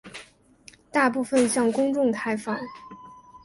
大部分向公众开放。